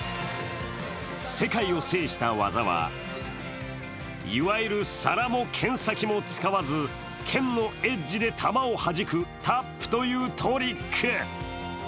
世界を制した技はいわゆる皿も剣先も使わず剣のエッジで玉をはじくタップというトリック。